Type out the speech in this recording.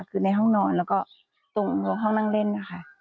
คือในห้องนอนแล้วก็ตรงห้องนั่งเล่นนะคะ